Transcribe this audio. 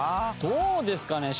どうですかね？